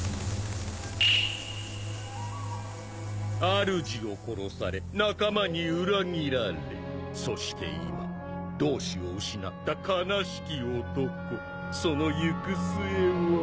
あるじを殺され仲間に裏切られそして今同志を失った悲しき男その行く末は？